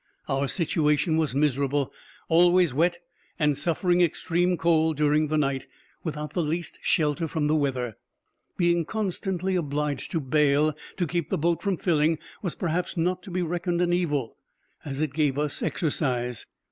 Our situation was miserable; always wet, and suffering extreme cold during the night, without the least shelter from the weather. Being constantly obliged to bail, to keep the boat from filling, was perhaps not to be reckoned an evil, as it gave us exercise.